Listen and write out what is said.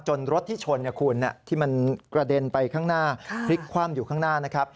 จนรถที่ชนที่มันกระเด็นไปข้างหน้าพลิกคว่ำอยู่ข้างหน้า